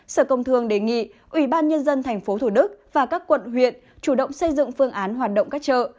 sở công thương đề nghị ủy ban nhân dân tp thủ đức và các quận huyện chủ động xây dựng phương án hoạt động các chợ